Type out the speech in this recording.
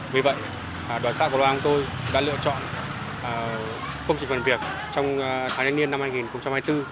vì vậy đoàn sát của loa hàng tôi đã lựa chọn phong trình phần việc trong tháng thanh niên năm hai nghìn hai mươi bốn